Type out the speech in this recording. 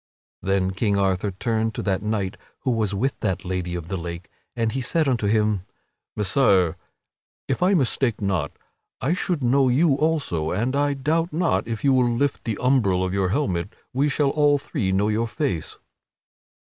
Then King Arthur turned to that knight who was with that Lady of the Lake, and he said unto him: "Messire, if I mistake not, I should know you also; and I doubt not, if you will lift the umbril of your helmet, we shall all three know your face."